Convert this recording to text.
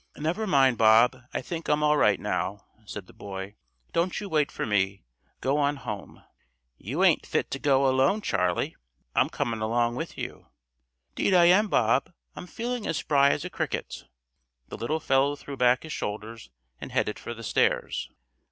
"Never mind, Bob, I think I'm all right now," said the boy. "Don't you wait for me, go on home." "You ain't fit to go alone, Charley. I'm comin' along with you." "'Deed I am, Bob. I'm feelin' as spry as a cricket." The little fellow threw back his shoulders and headed for the stairs.